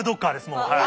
もうはい。